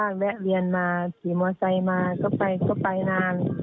แล้วอย่างนี้บ้านจะทำอย่างไรคะ